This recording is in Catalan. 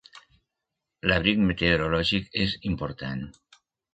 L'abric meteorològic és important.